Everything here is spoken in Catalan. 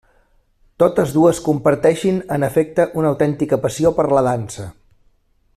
Totes dues comparteixin en efecte una autèntica passió per la dansa.